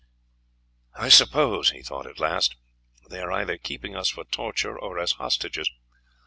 "I suppose," he thought at last, "they are either keeping us for torture or as hostages.